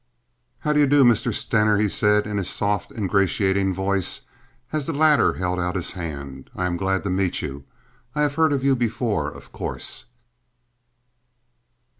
"How do you do, Mr. Stener?" he said in his soft, ingratiating voice, as the latter held out his hand. "I am glad to meet you. I have heard of you before, of course."